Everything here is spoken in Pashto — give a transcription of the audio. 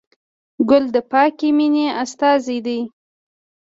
ګل د پاکې مینې استازی دی.